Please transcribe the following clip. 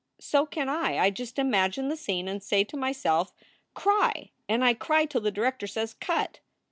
So can I. I just imagine the scene and say to myself, Cry ! and I cry till the director says, Cut